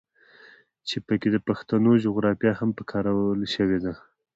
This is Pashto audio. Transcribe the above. چې پکښې د پښتنو جغرافيه هم پکارولے شوې ده.